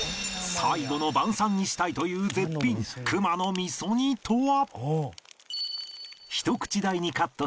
最後の晩餐にしたいという絶品熊の味噌煮とは？